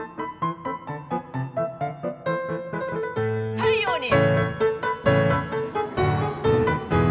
太陽に。